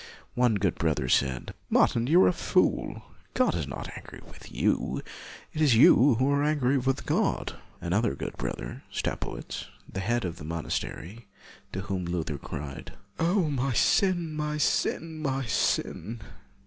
One good brother said, " Martin, you are a fool. God is not angry with you; it is you who are angry with God." Another good brother, Staupitz, the head of the mon astery, to whom Luther cried, " Oh, my sin, my sin, my sin!